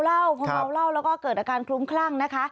พอเมาเหล้าแล้วก็เกิดอาการคลุ้มคลั่งนะคะ